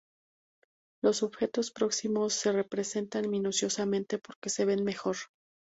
Los objetos próximos se representan minuciosamente porque se ven mejor.